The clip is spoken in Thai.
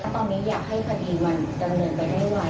ตอนนี้อยากให้คดีมันดำเนินไปให้ไว